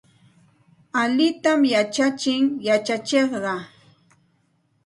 Allintam yachachin yachachiqqa.